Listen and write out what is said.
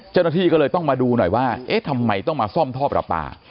เจ้าหน้าที่ก็เลยต้องมาดูหน่อยว่าเอ๊ะทำไมต้องมาซ่อมท่อประปา